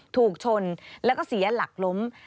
ถูกชนแล้วก็เสียหลักล้ม